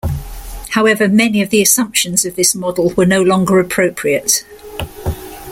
However, many of the assumptions of this model were no longer appropriate.